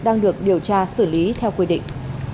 đang được điều tra xử lý theo quy định